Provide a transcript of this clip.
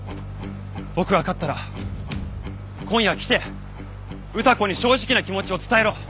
僕が勝ったら今夜来て歌子に正直な気持ちを伝えろ。